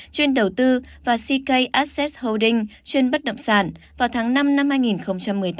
chuyên đầu tư và ck asset holding chuyên bất động sản vào tháng năm năm hai nghìn một mươi tám